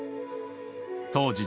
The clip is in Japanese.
当時